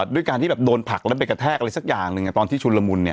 ด้วยการที่แบบโดนผักแล้วไปกระแทกอะไรสักอย่างหนึ่งตอนที่ชุนละมุน